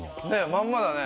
まんまだね。